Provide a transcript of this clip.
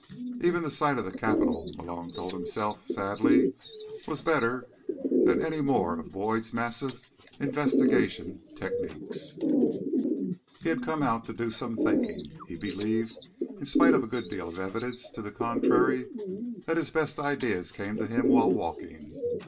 Even the sight of the Capitol, Malone told himself sadly, was better than any more of Boyd's massive investigation techniques. He had come out to do some thinking. He believed, in spite of a good deal of evidence to the contrary, that his best ideas came to him while walking.